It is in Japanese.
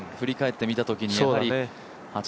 振り返ってみたときに。